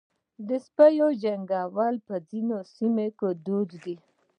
د سپي جنګول په ځینو سیمو کې دود دی.